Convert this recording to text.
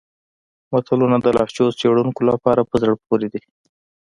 متلونه د لهجو څېړونکو لپاره په زړه پورې دي